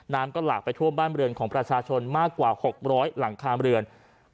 น้ำก็หลากไปทั่วบ้านเรือนของประชาชนมากกว่า๖๐๐หลังคาเรือน